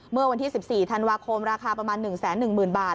เมื่อวันที่๑๔ธันวาคมราคาประมาณ๑๑๐๐๐บาท